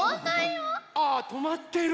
ああとまってる！